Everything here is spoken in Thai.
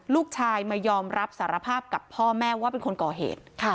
ลูกชายมายอมรับสารภาพกับพ่อแม่ว่าเป็นคนก่อเหตุ